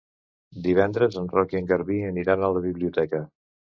Divendres en Roc i en Garbí aniran a la biblioteca.